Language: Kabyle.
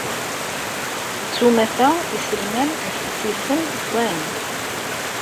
S umata, iselman nttett-iten wwan.